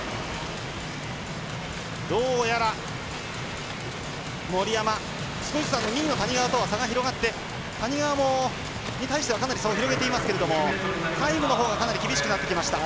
どうやら森山、２位の谷川とは、差が広がって谷川に対してはかなり差を広げていますけどタイムのほうがかなり厳しくなってきました。